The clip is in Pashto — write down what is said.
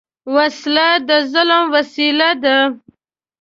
وسله د ظلم وسیله ده